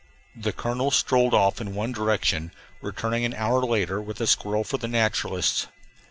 The colonel strolled off in one direction, returning an hour later with a squirrel for the naturalists.